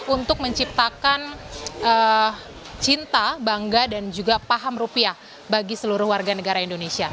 untuk menciptakan cinta bangga dan juga paham rupiah bagi seluruh warga negara indonesia